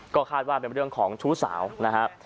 ก็คาดว่าเป็นเรื่องของชู้สาวนะครับ